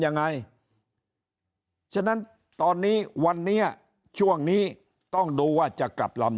ยังไงฉะนั้นตอนนี้วันนี้ช่วงนี้ต้องดูว่าจะกลับลำ